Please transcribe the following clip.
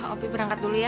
opi berangkat dulu ya